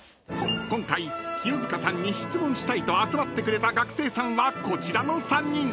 ［今回清塚さんに質問したいと集まってくれた学生さんはこちらの３人］